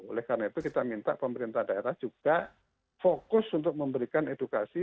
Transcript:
oleh karena itu kita minta pemerintah daerah juga fokus untuk memberikan edukasi